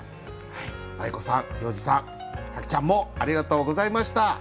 まい子さん要次さん紗季ちゃんもありがとうございました。